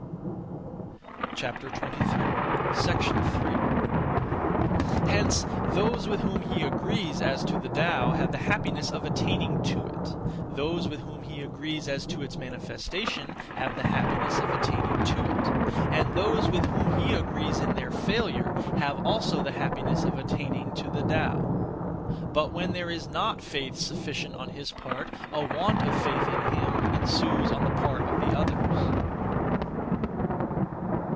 3. Hence, those with whom he agrees as to the Tao have the happiness of attaining to it; those with whom he agrees as to its manifestation have the happiness of attaining to it; and those with whom he agrees in their failure have also the happiness of attaining (to the Tao). (But) when there is not faith sufficient (on his part), a want of faith (in him) ensues (on the part of the others).